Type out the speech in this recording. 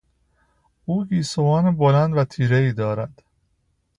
او گیسوان بلند و تیرهای دارد.